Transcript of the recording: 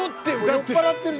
酔っぱらってる。